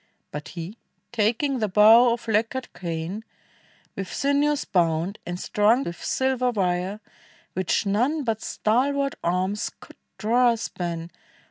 But he, taking their bow of lacquered cane, With sinews bound, and strung with silver wire, Which none but stalwart arms could draw a span.